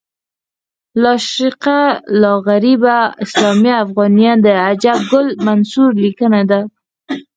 لاشرقیه لاغربیه اسلامیه افغانیه د عجب ګل منصور لیکنه ده